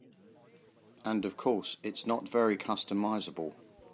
And of course, it's not very customizable.